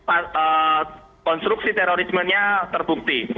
ini konstruksi terorismenya terbukti